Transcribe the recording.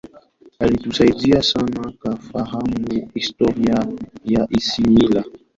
alitusaidia sana kufahamu historia ya isimila